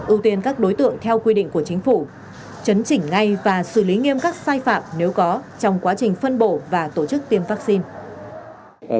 ưu tiên các đối tượng theo quy định của chính phủ chấn chỉnh ngay và xử lý nghiêm các sai phạm nếu có trong quá trình phân bổ và tổ chức tiêm vaccine